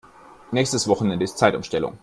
Nächstes Wochenende ist Zeitumstellung.